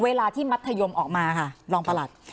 เวลาที่มัธยมออกมาค่ะรองประหลัด